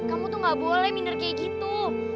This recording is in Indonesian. kamu tuh gak boleh minder kayak gitu